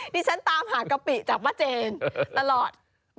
ดิฉันตามหากะปิจากป้าเจนตลอด